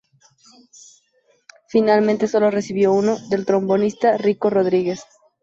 Finalmente solo recibió uno, del trombonista Rico Rodríguez.